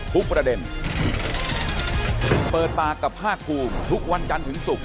ทุกประเด็นเปิดปากกับภาคภูมิทุกวันจันทร์ถึงศุกร์